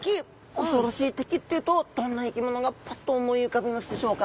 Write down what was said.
恐ろしい敵っていうとどんな生き物がパッと思い浮かびますでしょうか？